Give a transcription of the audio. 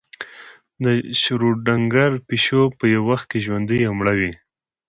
د شروډنګر پیشو په یو وخت کې ژوندۍ او مړه وي.